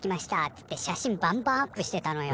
つって写真バンバンアップしてたのよ。